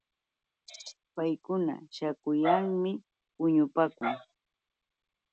Paykuna śhaakuyalmi puñupaakun.